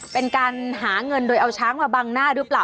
เป็นการหาเงินโดยเอาช้างมาบังหน้าหรือเปล่า